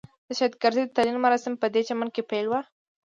د شهید کرزي د تلین مراسم پدې چمن کې پیل وو.